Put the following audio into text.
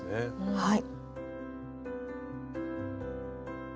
はい。